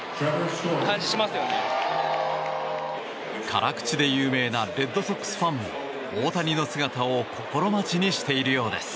辛口で有名なレッドソックスファンも大谷の姿を心待ちにしているようです。